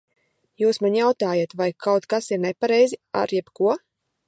Jūs man jautājat, vai kaut kas ir nepareizi ar jebko?